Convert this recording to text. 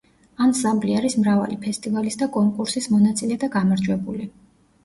ანსამბლი არის მრავალი ფესტივალის და კონკურსის მონაწილე და გამარჯვებული.